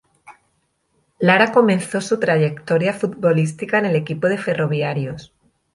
Lara comenzó su trayectoria futbolística en el equipo de Ferroviarios.